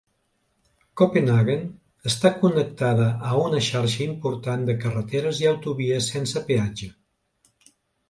Copenhaguen està connectada a una xarxa important de carreteres i autovies sense peatge.